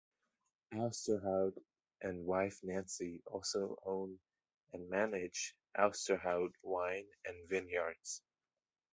Ousterhout and wife Nancy also own and manage Ousterhout Wine and Vineyards.